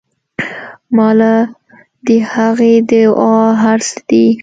ما له د هغې دعا هر سه دي.